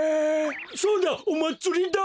そうだおまつりだ！